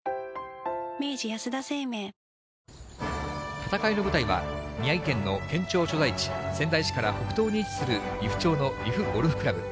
戦いの舞台は、宮城県の県庁所在地、仙台市から北東に位置する利府町の利府ゴルフ倶楽部。